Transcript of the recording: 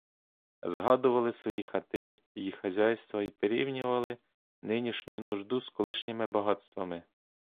Згадували свої хати й хазяйства і порівнювали нинішню нужду з колишніми багатствами.